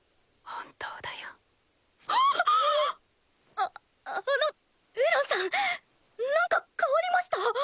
ああのエランさんなんか変わりました？